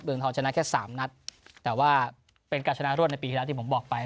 เมืองทองชนะแค่สามนัดแต่ว่าเป็นการชนะรวดในปีที่แล้วที่ผมบอกไป